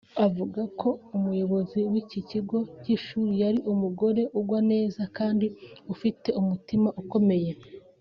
Avuga ko Umuyobozi w’iki kigo cy’ishuri yari umugore ugwa neza kandi ufite umutima ukomeye